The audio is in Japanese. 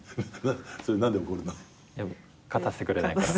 勝たせてくれないから。